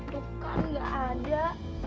bukan nggak ada